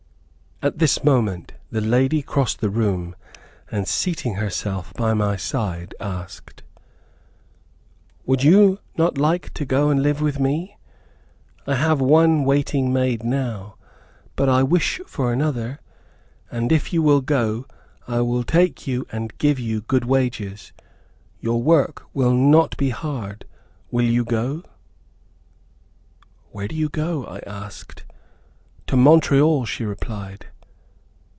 At this moment, the lady crossed the room, and seating herself by my side, asked, "Would you not like to go and live with me? I have one waiting maid now, but I wish for another, and if you will go, I will take you and give you good wages. Your work will not be hard; will you go?" "Where do you go?" I asked. "To Montreal," she replied.